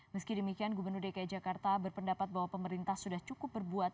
meski demikian gubernur dki jakarta berpendapat bahwa pemerintah sudah cukup berbuat